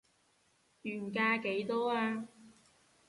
原價幾多啊